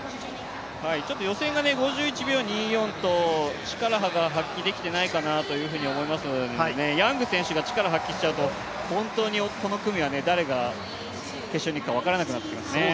予選が５１秒２４と力が発揮できていないかなと思いますのでヤング選手が力発揮しちゃうと、ホントにこの組は誰が決勝に行くか分からなくなってきますね。